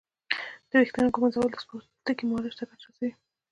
د ویښتانو ږمنځول د پوستکي مالش ته ګټه رسوي.